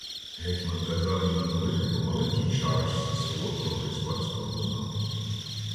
Гетьман казав їм налити по маленькій чарочці солодкого іспанського вина.